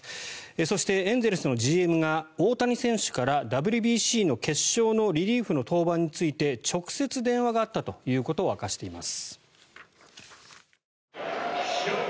そしてエンゼルスのＧＭが大谷選手からＷＢＣの決勝のリリーフの登板について直接電話があったということを明かしています。